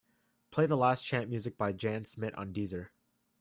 Play the last chant music by Jan Smit on Deezer.